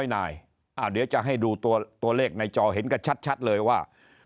นายเดี๋ยวจะให้ดูตัวเลขในจอเห็นกันชัดเลยว่า